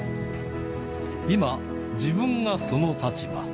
今、自分がその立場。